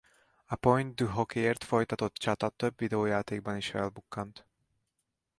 A Pointe du Hoc-ért folytatott csata több videójátékban is felbukkant.